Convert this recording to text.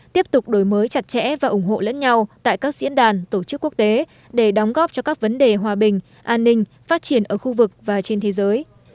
tiếp tục đổi mới chặt chẽ và ủng hộ lẫn nhau tại các diễn đàn tổ chức quốc tế để đóng góp cho các vấn đề hòa bình an ninh phát triển ở khu vực và trên thế giới